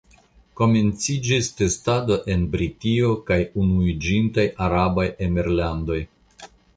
Komenciĝis testado en Britio kaj Unuiĝintaj Arabaj Emirlandoj.